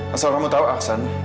asal kamu tahu aksan